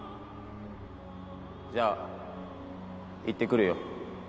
じゃあ行ってくるよ